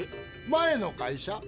前の会社？